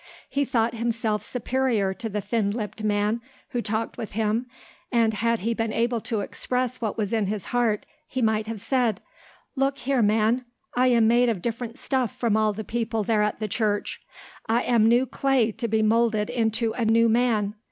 He thought himself superior to the thin lipped man who talked with him and had he been able to express what was in his heart he might have said, "Look here, man! I am made of different stuff from all the people there at the church. I am new clay to be moulded into a new man.